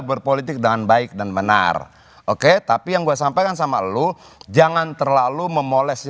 berpolitik dengan baik dan benar oke tapi yang gue sampaikan sama lo jangan terlalu memoles